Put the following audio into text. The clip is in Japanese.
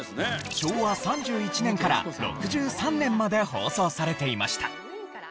昭和３１年から６３年まで放送されていました。